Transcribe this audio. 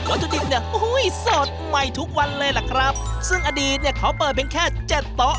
ขนาดจุดอีกเนี่ยโอ้โหสดใหม่ทุกวันเลยล่ะครับซึ่งอดีตเนี่ยเขาเปิดเป็นแค่๗ตะ